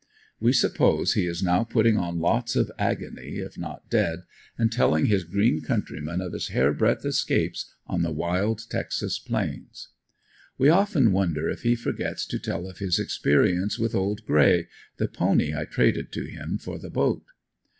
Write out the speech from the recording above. We suppose he is now putting on lots of "agony," if not dead, and telling his green countrymen of his hair breadth escapes on the wild Texas plains. We often wonder if he forgets to tell of his experience with "old gray," the pony I traded to him for the boat.